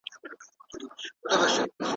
دا د ژوند اصلي هدف دی.